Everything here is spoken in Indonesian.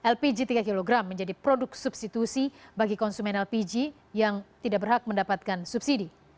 lpg tiga kg menjadi produk substitusi bagi konsumen lpg yang tidak berhak mendapatkan subsidi